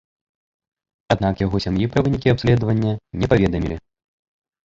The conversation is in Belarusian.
Аднак яго сям'і пра вынікі абследавання не паведамілі.